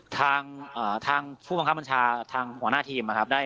ทางผู้บังคับบัญชาทางหัวหน้าทีมนะครับ